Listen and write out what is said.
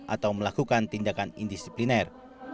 atau melakukan tindakan indisipliner